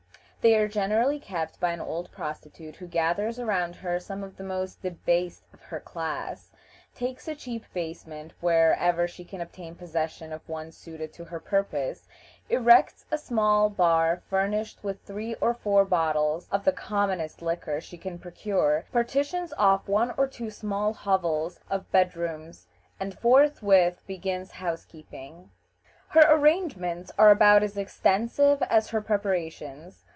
They are generally kept by an old prostitute, who gathers around her some of the most debased of her class, takes a cheap basement wherever she can obtain possession of one suited to her purpose, erects a small bar furnished with three or four bottles of the commonest liquor she can procure, partitions off one or two small hovels of bed rooms, and forthwith begins housekeeping. Her arrangements are about as extensive as her preparations.